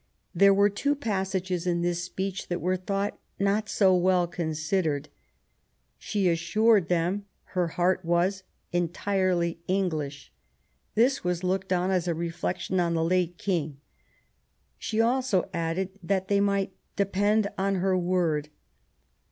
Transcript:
There were two passages in this speech that were thought not so well considered ; she assured them her heart was * entirely English ^; this was looked on as a reflection on the late King: she also added, that they might * depend on her word.